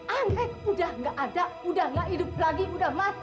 angket udah gak ada udah gak hidup lagi udah mati